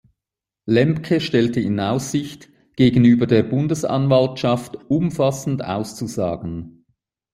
Lembke stellte in Aussicht, gegenüber der Bundesanwaltschaft umfassend auszusagen.